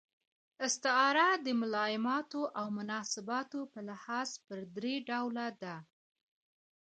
استعاره د ملایماتو او مناسباتو په لحاظ پر درې ډوله ده.